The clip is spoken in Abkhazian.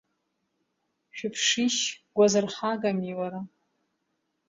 Шыԥшишь, гәазырҳагами уара!